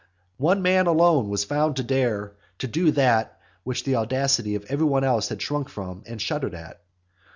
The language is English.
One man alone was found to dare to do that which the audacity of every one else had shrunk from and shuddered at.